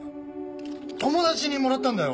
友達にもらったんだよ。